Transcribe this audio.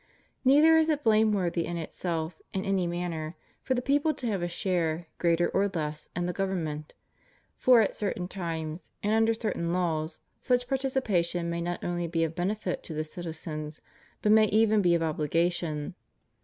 Neither is it blameworthy in itself, in any manner, for the people to have a share, greater or less, in the government : for at certain times, and under certain laws, such participation may not only be of benefit to the citizens, but may even be of obhgation.